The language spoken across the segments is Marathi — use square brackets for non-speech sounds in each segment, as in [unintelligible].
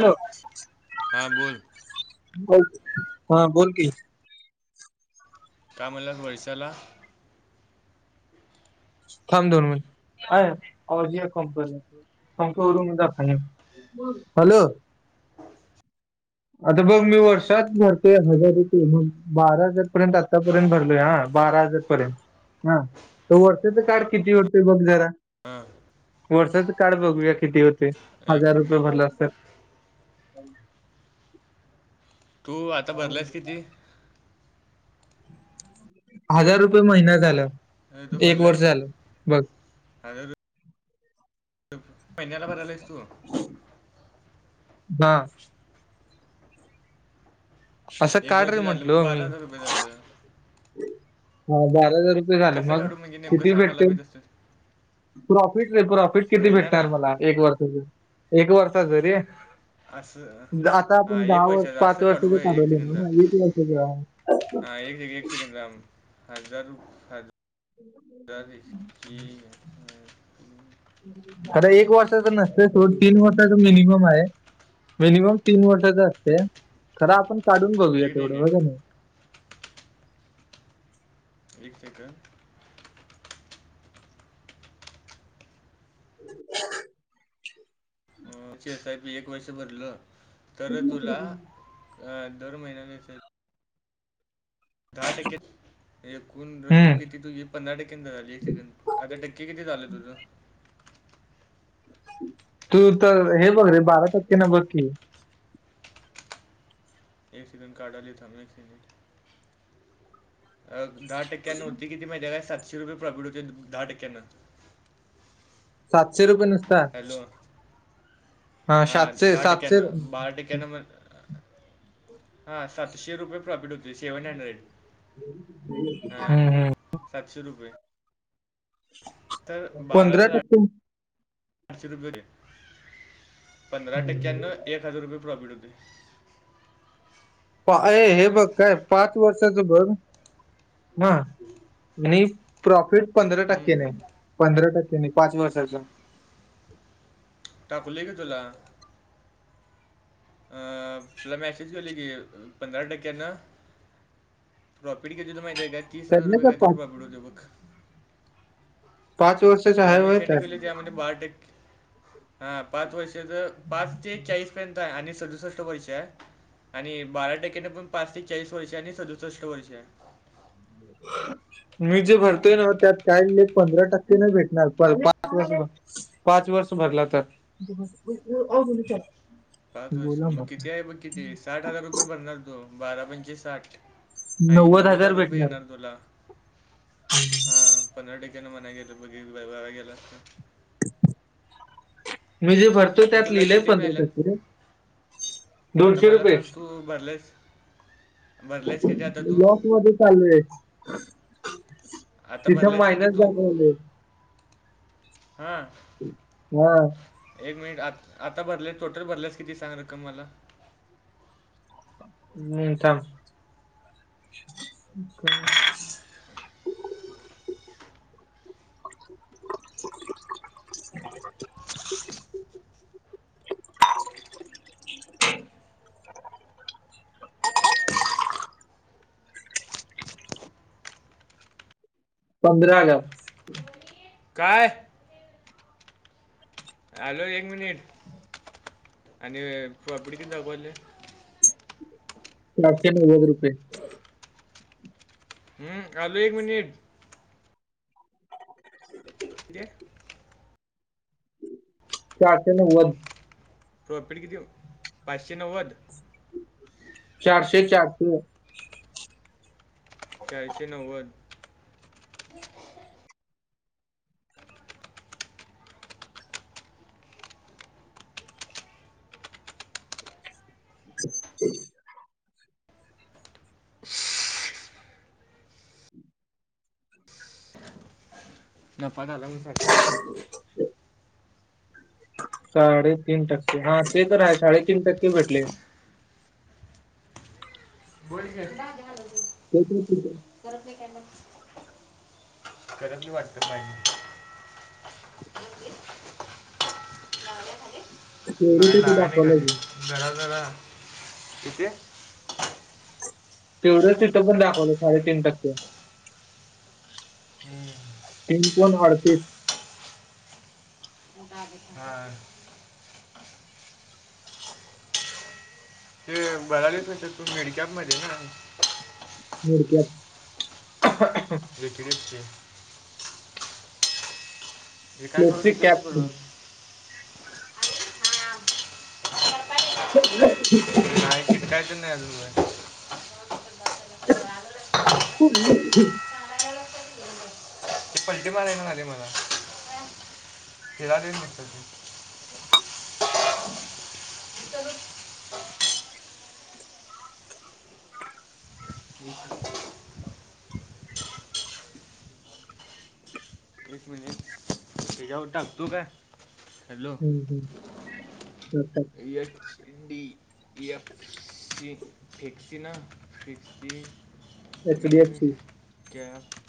हॅलो! हां बोल. बोल हा बोल की. का म्हला वैषाला. थांब दन म्ह आहे जि कंपनी. तखरु मु द खा हॅलो! आता बघ मी वर्षात भरतोय हजार रुपये बारा हजार पर्यंत आतापर्यंत भरलोय हा बारा हजार. पर्यंत हा तर वर्षाचा काळ किती होतय बघ जरा. हा. वर्षाच काळ बघूया किती होते एक हजार रुपये भरलास तर. तू आता भरलायस किती? हजार रुपये महिना झाला अरे तू एक भरलाय वर्ष झालं बघ. [inaudible] महिन्याला बरायला आहेस तू? हा. असं एक काढ वर्ष रे झालं मग बारा हजार रुपये झालं. हा बारा हजार रु. झालं कसं मग काढू म्हणजे नेमकं किती सांग मला भेटते मी तसं प्रॉफिट र प्रॉफिट किती महिन्याला भेटणार मला? एक वर्ष, एक वर्षाचा रे. असं आता हा आपण एक दहा वर्ष वर्षाचं पाच असं काढू वर्षाच होय एक चालवलं सेकंदा ना एक वर्षाच. हा एक सेक एक सेकंड थांब हजारज. अरी ठीक आहे. खर एक वर्षाच नसतं सोड तीन वर्षाच मिनिमम आहे. मिनिमम तीन वर्षाच असते खरं आपण काढून बघूया एक तेवढं मिनिट बघं ना. एक सेकंड. [unintelligible] पुढची एस आय पी एक वर्ष भरलं तर, तुला दर महिन्याने एस आय दहा टक्के एकूण रक्कम हम्म किती तूझी पंधरा टक्क्यांचा झाली, एक सेकंड आता टक्के किती झाल तुझ? तू तर, हे बघ रे बारा टक्के न बघ की. एक सेकंड काढालोय, थांब एक सेकंड. दहा टक्क्यानं होतय किती माहिती हाय काय? सातशे रुपये प्रॉफिट होतय दहा टक्क्यांन. सातशे रुपये न हॅलो! हा सातशे दहा सातशे टक्क्यान बारा हम्म, टक्क्यान म हा, सातशे रुपये प्रॉफिट होतोय. सेव्हन हंड्रेड हा हम्म. सातशे रुपये. तर बारा पंधरा हजार टक्के आठशे रुपये होतयं पंधरा हम्म. टक्क्यान. एक हजार रुपये प्रॉफिट होतेय. अ हे बघ काय पाच वर्षाचं बघ हा आणि प्रॉफिट पंधरा हम्म, टक्केने, पंधरा टक्केने पाच वर्षाच्या. टाकलोय की तुला. अ तुला मॅसेज केलोय की, पंधरा टक्क्यानं प्रॉफिट किती होतय, माहित हाय काय? तीस हजार त्यातले रुपये का काय तर पाच प्रॉफिट होतय बघ. पाच वर्ष तुला मी सेंड केलोय, त्या मध्ये बारा टक्के हा पाच वर्षाच पाच ते चाळीस पर्यंत आहे, आणि सदुसष्ट वर्ष आणि बारा टक्केने पण पाच ते चाळीस वर्ष आणि सदुसष्ट वर्ष आहे. [unintelligible] मी जे भरतोय नव्ह, त्यात काही नाही पंधरा टक्केन भेटणार पण पाच [unintelligible] पाच वर्ष भरला तर. पाच वर्ष मग किती आहे? बघ किती साठ हजार रुपये भरणार तो बारा पंचेे साठ आणि नव्वद हजार रुपये येणार तुला. हा, पंधरा टक्केन म्हणाय गेलं म्हणजे वाया गेल. मी जे भरतोय आता त्यात, तुला लिहिलंय किती पंधरा मिळाल्यात टक्के रे. आता मला सांग तू भरलेस? भरलेस किती आता तू लॉस मध्ये चालोय. तिथं मायनस झालयं लय. हा. हा. एक मिनिट आ -आता भरलेत टोटल भरलेस किती सांग रक्कम मला? मी थांब [unintelligible] पंधरा हजार. काय? हॅलो! एक मिनिट आणि प्राँफिट किती दाखवालय. सातशे नव्वद रुपये. हं आलो एक मिनिटं. म्हणजे चारशे नव्वद. प्रॉफिट किती मग, पाचशे नव्वद? चारशे चारशे. चारशे नव्वद. [unintelligible] [unintelligible] नफा घालवला सगळा. [unintelligible] साडेतीन टक्के हा ते तरय साडेतीन टक्के भेटले. बोल की. त [unintelligible] नाही करब नाही वाटत नाही [unintelligible] गवले खली तेवढं नाही तिथे लाग नाही दाखवलंय नीघाले मी. जरा जरा किती तेवढंच तिथं पण दाखवलं साडेतीन टक्के. हम्म. तीन पॉईंट अडतीस. हा. ते बघलेच तू मिडक्यात मध्ये नाही. मीड कॅप वेिकड की त्याची कॅप म्हणून. अरे हा पा [unintelligible] [unintelligible] क्रिकेट नाही रु आहे [unintelligible] ह ल [unintelligible] [unintelligible] ते पलटी मारयला येना बगा मला फिरालय नुसतं ते. चल [unintelligible] ह [unintelligible] एक मिनट तुझ्यावर टाकतो काय हॅलो. हम् हम् हो टाक. H D. प एफ सी फेक्सीना फ H D F mid C cap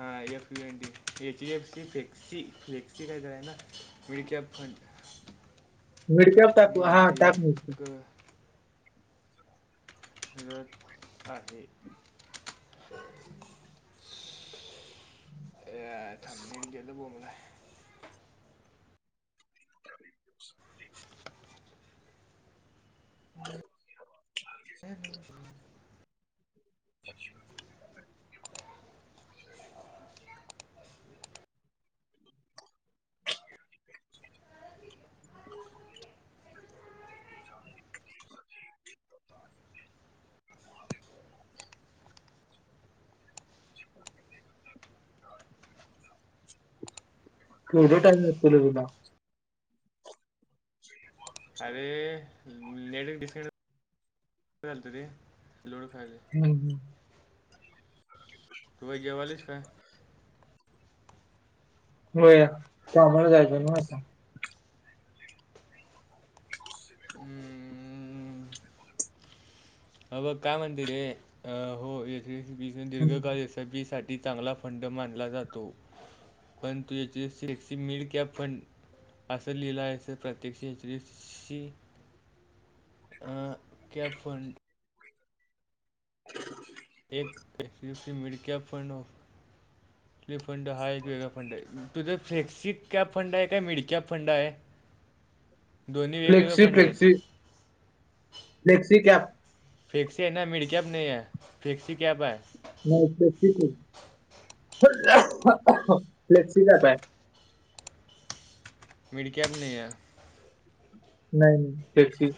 हा एफंी H D F C फ्क्सी flexi काय कराय ना मिीड कॅप फंड मिडक्या टाकू हा टाक मिड कॅप. मिरत आहे. अ थांब नेट गेलं बोंबलाय. ह [unintelligible] ह न [unintelligible] केवढं टाईम लागतंय र तुला. अरे नेट डिस्कनेक्ट झालंत रे लोडो व्हयलय. हम् हम. तू काय जेवलायस का. हो या कामाला जायचं नव्ह आता. हम्म, अ बघ काय म्हणते रे अ हो हम्म. दीर्घकाल एस आय पी साठी चांगला फंड मानला जातो पन तो H D F C flexi mid cap fund असं लिहिलं याचं प्रत्यक्ष H D F C cap fund. एक mid cap fund of. Fund हा एक वेगळा फंड आहे तुझं फिक्सित कॅप फंड आहे काय मिड कॅप फंड आहे. दोन्ही वेगवेगळे फ्लेक्सी फंड आहेत. क्सी क. फेक्स आहे ना मिड कॅप नाही आहे फेक्स कॅप आहे. नाही फ्क् फ्लेक्सिका. मिड कॅप नाही आहे? नाही नाही त्याची.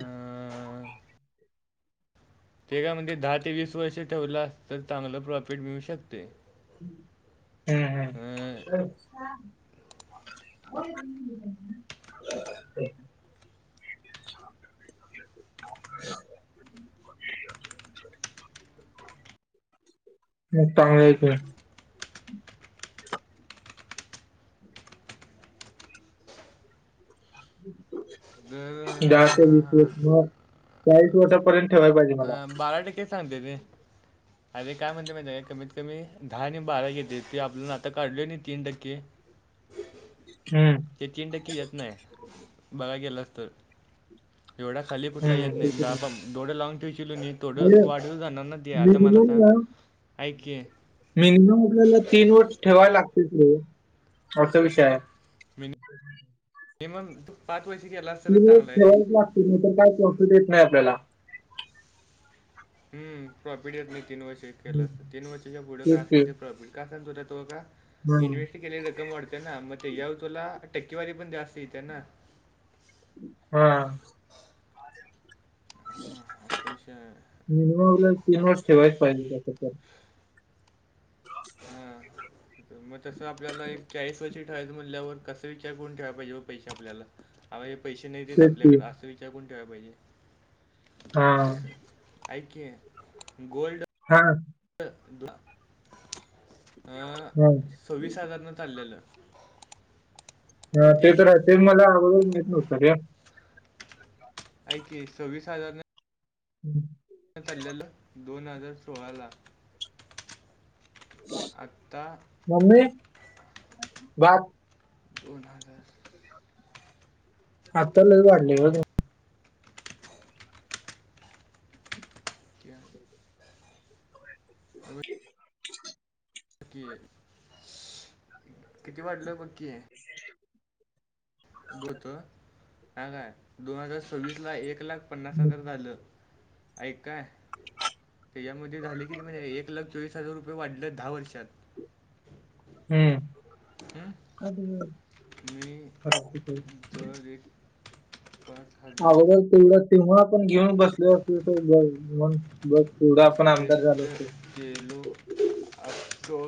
अं, ते कामध्ये दहा ते वीस वर्ष ठेवलं अस तर चांगला प्रॉफिट मिळू शकते. हम्म अं, हम्म. ह [unintelligible] [unintelligible] [inaudible] असलकुम. तर दहा ते वीस अं, वर्ष चाळीस वर्षांपर्यंत ठेवायला पाहिजे मला. बारा टके सांते ते. [inaudible] अरे काय म्हणते माहि का कमीत कमी दहा आणि बारा घेते ते आपल्या आता काढल तीन टक्के. हम्म. ते तीन टक्की येत नाही हे बघ गेलास तर. एवढा खाली कुठला हम्म. येत नाही ते तर आहे. दहापण डोडं लाॉँग ठेवू केलू नीत. थोडं म्हणजे वाढव जाणांना द आता मला मिनिमम तर ना ऐक की. मिनिमम आपल्याला तीन वर्ष ठेवायला लागतील रे असा विषय आहे. मि मिनिमम तू पाच वषू केलास तर तीन वर्ष चांगलं आहे रे. ठेवायलाच लागते काय प्रॉफिट येत नाही आपल्याला हम प्रॉफिट येत नाही तीन वर्ष केलं हम्म. असत तीन वर्षाच्या पुढं काय तेच की. असेल ते प्रॉफिट कासान दुरत्व का हम्म. इन्वेस्ट केलेली रक्कम वाढते ना मग ते यावर तुला टक्केवारी पण जास्त येते ना हा हा असा विषय आहे मिनिमम आपल्याला तीन वर्ष ठेवायच पाहिजे त्या हां. मग तसं आपल्याला एक चाळीस वर्षी ठेवायचं म्हणल्यावर कस विचार करून ठेवा पाहिजे पैसे आपल्याला हा म्हणजे पैसे नाही देत तेच की. आपल्याकडं असा विचार कडुन ठेवाय पाहिजे होय. ऐक की गोल्ड हा. अ. हां. सव्वीस हजारनं चाललेलं ह ते किती? तर आहे ते मला आवडुन येत रे ऐक की सव्वीस हजार ह चाललेलं दोन हजार सोळा ला आत्ता मम्मी भात. दोन हजार आता लय वाढले बर क्या कि किती वाटलं बघ की दोन तोळा काय दोन हजार सव्वीस ला एक लाख पन्नास बघ. हजार झालं [inaudible] ऐक काय त्याच्यामध्ये झाले की ते म्हणजे एक लाख चोवीस हजार रुपये वाढले दहा वर्षात हम्म हं? [inaudible] मी पण अगोदर तेवढं तेव्हा आपण घेऊन बसले असल तर बघ तेवढं डं आपण आमदार झालो असतो गेलो आ चो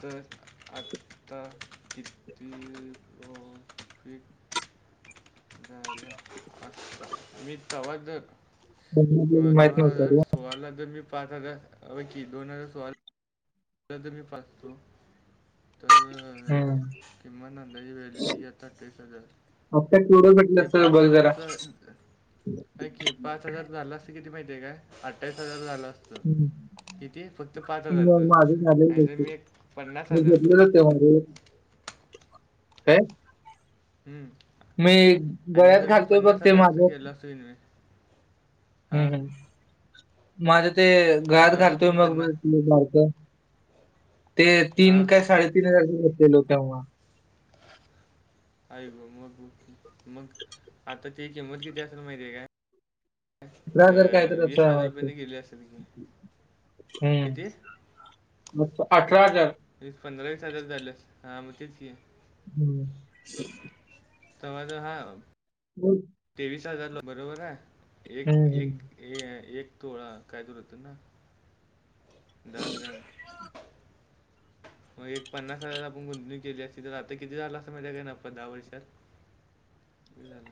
तर आत्ता कि [inaudible] [unintelligible] [unintelligible] मीथा वादक, पण आपल्याला दोन माहित नव्हतं हजार रे तुम्हाला जर मी पाच हजार ब की दोन हजार सोळा [unintelligible] मी फसतो तर हम्म किमान अंदाजे व्हॅलिटी आता तीस हजार आता केवढं भेटलं ते असतं पाच बघ जरा हजारच ऐक की पाच हजार झालं असतं किती माहितीय काय अठ्ठावीस हजार झाल अस हम्म. किती फक्त पाच हजार मग च. माझं काय? हम्म मी आणि गळ्यात जर मी घालतोय बघ पन्नास ते हजारच माझं केलं असतं मी हम् हम्, माझं ते घाट आता तर घालतोय मी मग [unintelligible] ते तीन हां. काय साडेतीन हजार घेतलेलो तेव्हा. [inaudible] अय गो मग मग आता त्याची किंमत कीती असेल माहीत आहे काय? ला जर काय अ, तर पर्यंत गेली असेल की. [unintelligible] हम्म, किती? म अठरा हजार. वीस पंधरा वीस हजार झाल, हां मग तेच की. हम्. समझ हा. हम्. तेवीस हजारला बरोबर आहे, एक हम्म. एक एक तोळा काय तूर होत ना. दहा ग्रॅम. मग एक पन्नास हजार आपण गुंतवणूक केली असती तर आता किती झाला असं माहितीे काय ना दहा वर्षात. किती झाला?